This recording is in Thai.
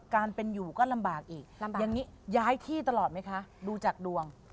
มันอยู่ที่ดวง